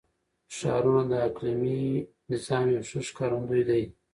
ښارونه د اقلیمي نظام یو ښه ښکارندوی دی.